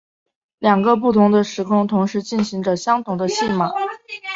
两个不同的时空同时进行着相同的戏码。